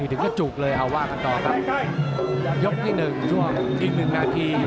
เหลือเกินเลยนะ